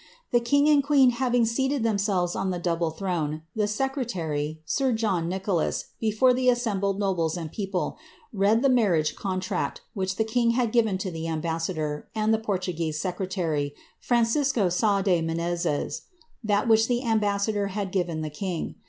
The king and queen having seated themselves on the double ne« the secretary, sir John Nicholas, before the assembled nobles people, read the marriage contract, wliich the king had given to the «sador, and the Portuguese secretar}', Francisco Sa de Menezes. vhich the ambassador had given the king.